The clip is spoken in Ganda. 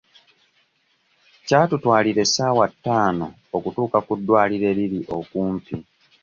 Kyatutwalira essaawa ttaano okutuuka ku ddwaliro eriri okumpi.